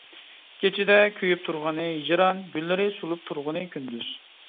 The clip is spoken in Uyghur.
كېچىدە كۆيۈپ تۇرغىنى ھىجران، گۈللىرى سولۇپ تۇرغىنى كۈندۈز.